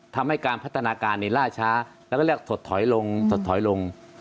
ทำให้การพัฒนาการระช้แล้วก็เรียกทดถอยลง